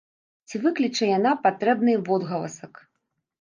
Ці выкліча яна патрэбны водгаласак?